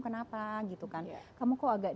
kenapa kamu kok agak